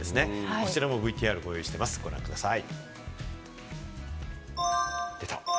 こちらもＶＴＲをご用意しています、ご覧ください。